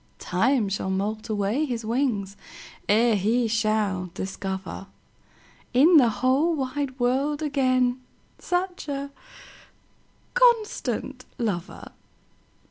Time shall moult away his wingsEre he shall discoverIn the whole wide world againSuch a constant lover.